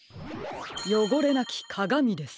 「よごれなきかがみ」です。